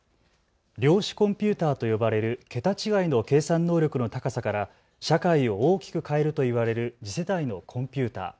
量子コンピューターと呼ばれる桁違いの計算能力の高さから社会を大きく変えると言われる次世代のコンピューター。